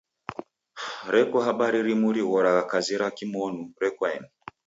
Reko habari rimu righoragha kazi ra kimonu rekoaeni.